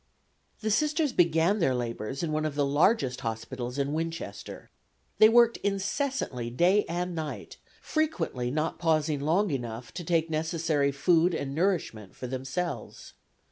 The Sisters began their labors in one of the largest hospitals in Winchester. They worked incessantly day and night, frequently not pausing long enough to take necessary food and nourishment for themselves.